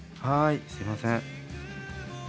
はいすいません。